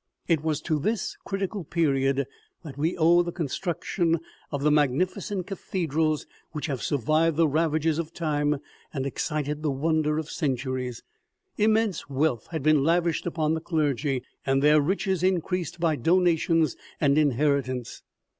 It was to this critical period that we owe the construc tion of the magnificent cathedrals which have survived the ravages of time and excited the wonder of centuries. Immense wealth had been lavished upon the clergy, and their riches increased by donations and inheritence.